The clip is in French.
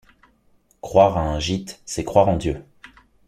Croire à un gîte, c’est croire en Dieu.